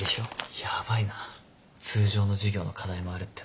ヤバいな通常の授業の課題もあるってのに。